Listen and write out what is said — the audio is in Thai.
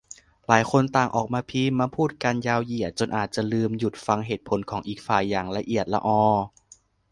หลายคนต่างออกมาพิมพ์มาพูดกันยาวเหยียด จนอาจจะลืมหยุดฟังเหตุผลของอีกฝ่ายอย่างละเอียดลออ